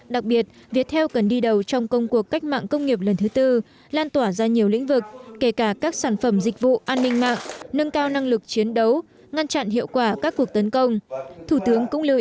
đặc biệt việt theo cần đi đầu trong công cuộc cách mạng công nghiệp lần thứ tư lan tỏa ra nhiều lĩnh vực kể cả các sản phẩm dịch vụ an ninh mạng nâng cao năng lực chiến đấu ngăn chặn hiệu quả các cuộc tấn công